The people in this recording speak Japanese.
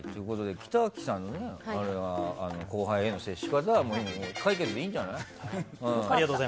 北脇さんの悩みの後輩への接し方は今ので解決でいいんじゃない？